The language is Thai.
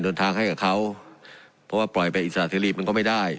เดินทางให้กับเขาเพราะว่าปล่อยไปอิสระเสรีมันก็ไม่ได้